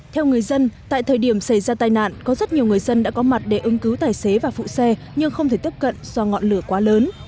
theo người dân tại thời điểm xảy ra tai nạn có rất nhiều người dân đã có mặt để ứng cứu tài xế và phụ xe nhưng không thể tiếp cận do ngọn lửa quá lớn